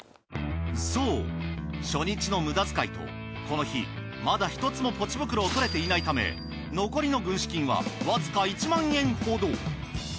そう初日の無駄遣いとこの日まだ１つもポチ袋をとれていないため残りの軍資金はわずか１万円ほど。